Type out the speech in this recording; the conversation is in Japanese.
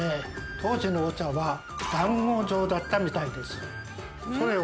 当時のお茶は団子状だったみたいです。